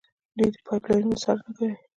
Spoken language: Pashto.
دوی د پایپ لاینونو څارنه کوي.